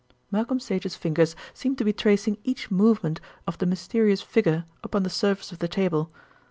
Malcolm Sage's fingers seemed to be tracing each movement of the mysterious figure upon the surface of the table.